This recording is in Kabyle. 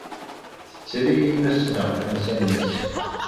Tetter-iyi-d ma ssneɣ tansa-nnes.